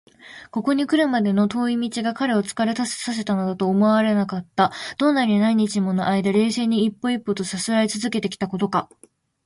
ここにくるまでの遠い道が彼を疲れさせたなどとは思われなかった。どんなに何日ものあいだ、冷静に一歩一歩とさすらいつづけてきたことか！